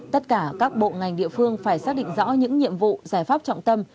tất cả các bộ ngành địa phương phải xác định rõ những nhiệm vụ giải pháp trọng tâm